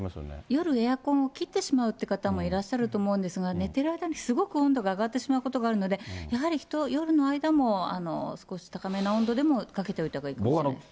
夜エアコンを切ってしまうという方もいらっしゃると思うんですが、寝てる間にすごく温度が上がってしまうことがあるので、やはり夜の間も、少し高めな温度でもかけておいたほうがいいかもしれない。